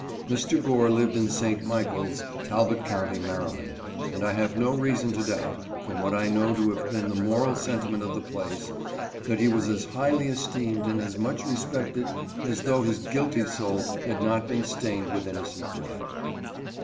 Mr. Gore lived in St. Michaels, Talbot Co., Maryland, and I have no rea son to doubt, from what I know to have been the moral sentiment of the place, that he was as highly esteemed and as much respected as though his guilty soul had not been stained with innocent blood.